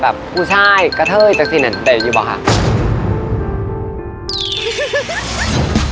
แบบผู้ชายกระเท้ยจักษ์ศิลป์เต็มอยู่เปล่าค่ะ